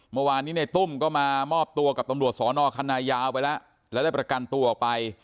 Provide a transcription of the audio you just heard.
เมื่อวานนี้ในตุ้มก็มามอบตัวกับตำรวจสอนอคันนายาวไปแล้วแล้วได้ประกันตัวออกไป